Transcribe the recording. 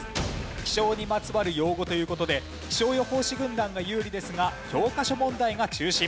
気象にまつわる用語という事で気象予報士軍団が有利ですが教科書問題が中心。